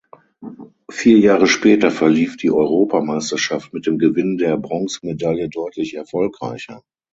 Vier Jahre später verlief die Europameisterschaft mit dem Gewinn der Bronzemedaille deutlich erfolgreicher.